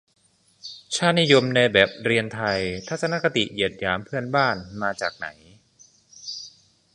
"ชาตินิยมในแบบเรียนไทย" ทัศนคติเหยียดหยามเพื่อนบ้าน มาจากไหน ?